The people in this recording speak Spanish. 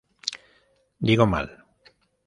Digo mal.